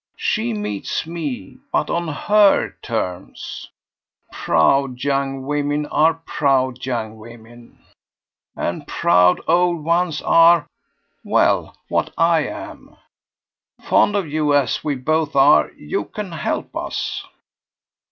She meets me, but on HER terms. Proud young women are proud young women. And proud old ones are well, what I am. Fond of you as we both are, you can help us."